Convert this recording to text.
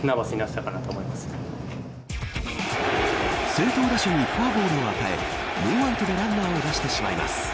先頭打者にフォアボールを与えノーアウトでランナーを出してしまいます。